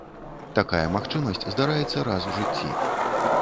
Такая магчымасць здараецца раз у жыцці.